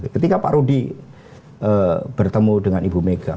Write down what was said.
ketika pak rudi bertemu dengan ibu mega